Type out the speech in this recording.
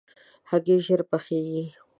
هګۍ ژر پخېږي.